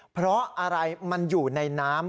เพราะอะไรมันอยู่ในน้ำ